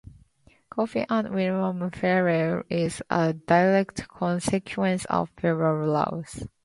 Coffin and William Ferrel, is a direct consequence of Ferrel's law.